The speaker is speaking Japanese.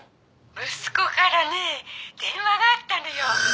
「息子からね電話があったのよ」